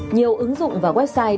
nhiều ứng dụng và website